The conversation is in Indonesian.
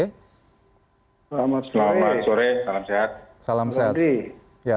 selamat sore salam sehat